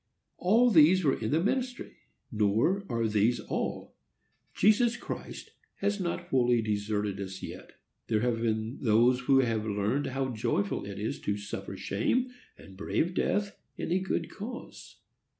All these were in the ministry. Nor are these all. Jesus Christ has not wholly deserted us yet. There have been those who have learned how joyful it is to suffer shame and brave death in a good cause.